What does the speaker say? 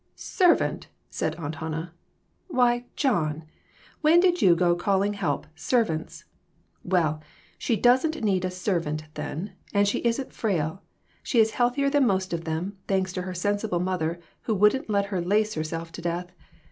"Servant!" said Aunt Hannah; "why, John, when did you go to calling help servants '? Well, she doesn't need a servant, then, and she isn't frail ; she is healthier than most of them, thanks to her ^ensible mother, who wouldn't let her lace herself to death.